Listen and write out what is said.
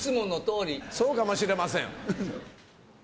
そうかもしれません。